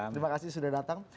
terima kasih sudah datang